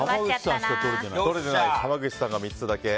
濱口さんが３つだけ。